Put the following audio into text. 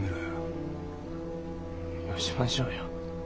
よしましょうよ。